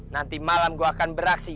nanti malam gue akan beraksi